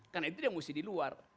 kan itu dia yang usir di luar